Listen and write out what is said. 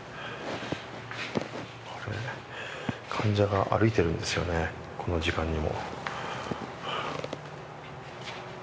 患者が歩いてるんですよね、この時間にも。